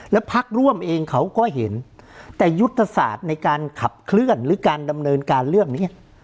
แล้วพักร่วมเองเขาก็เห็นแต่ยุทธศาสตร์ในการขับเคลื่อนหรือการดำเนินการเรื่องนี้